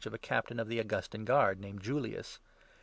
of a Captain of the Augustan Guard, named Julius.